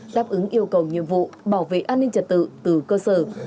đáp ứng yêu cầu nhiệm vụ bảo vệ an ninh trật tự từ cơ sở